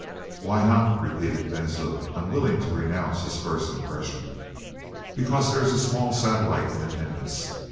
"Why not?" repeated Ben Zoof, unwilling to renounce his first impression. "Because there is a small satellite in attendance."